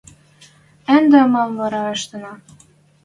– Ӹнде мам вара ӹштенӓ?